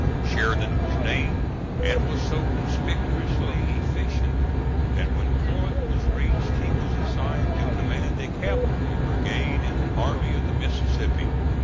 Sheridan was named; and was so conspicuously efficient that when Corinth was reached he was assigned to command a cavalry brigade in the Army of the Mississippi.